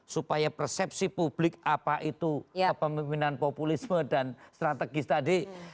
supaya persepsi publik apa itu kepemimpinan populisme dan strategis tadi